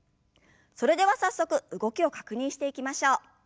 それでは早速動きを確認していきましょう。